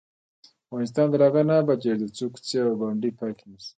افغانستان تر هغو نه ابادیږي، ترڅو کوڅې او بانډې پاکې نشي.